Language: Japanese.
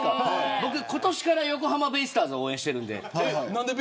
ことしから横浜ベイスターズを応援しています。